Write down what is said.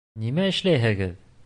Нимә эшләйһегеҙ?